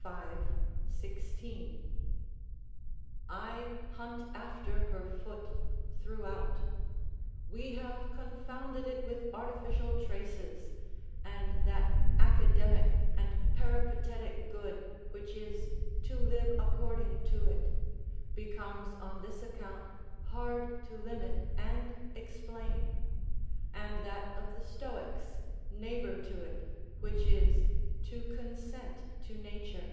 V. 16.] I hunt after her foot throughout: we have confounded it with artificial traces; and that academic and peripatetic good, which is "to live according to it," becomes on this account hard to limit and explain; and that of the Stoics, neighbour to it, which is "to consent to nature."